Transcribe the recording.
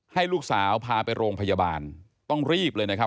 ให้ลูกสาวพาไปโรงพยาบาลต้องรีบเลยนะครับ